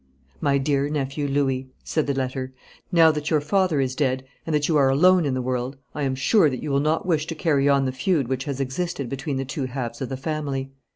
'My dear nephew Louis,' said the letter, 'now that your father is dead, and that you are alone in the world, I am sure that you will not wish to carry on the feud which has existed between the two halves of the family.